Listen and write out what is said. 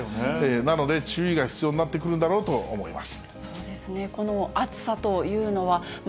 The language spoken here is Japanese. なので、注意が必要になってくるんだろうと思います。